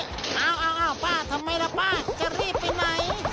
เอาป้าทำไมล่ะป้าจะรีบไปไหน